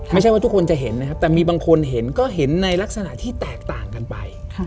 ไม่ใช่ว่าทุกคนจะเห็นนะครับแต่มีบางคนเห็นก็เห็นในลักษณะที่แตกต่างกันไป